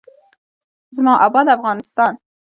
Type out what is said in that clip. زما اباد افغانستان.